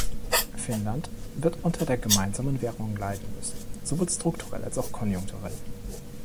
Finnland wird unter der gemeinsamen Währung leiden müssen, sowohl strukturell als auch konjunkturell.